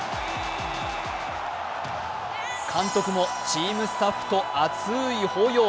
監督もチームスタッフと熱い抱擁。